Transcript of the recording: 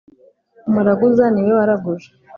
Umuraguza ni we waraguje